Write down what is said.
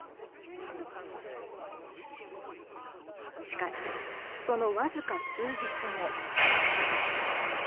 しかしその僅か数日後。